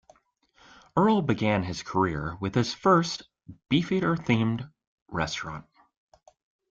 Earl began his career with his first Beefeater-themed restaurant.